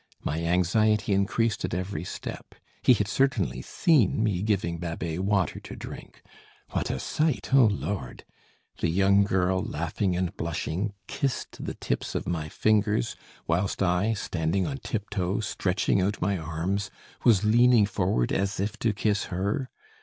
My anxiety increased at each step. He had certainly seen me giving Babet water to drink. What a sight, O Lord! The young girl, laughing and blushing, kissed the tips of my fingers, whilst I, standing on tip toe, stretching out my arms, was leaning forward as if to kiss her.